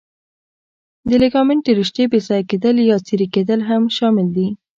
د لیګامنت د رشتې بې ځایه کېدل یا څیرې کېدل هم شامل دي.